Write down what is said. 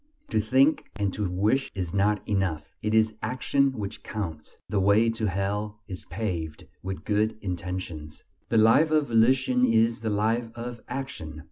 To think and to wish is not enough. It is action which counts. "The way to Hell is paved with good intentions." The life of volition is the life of action.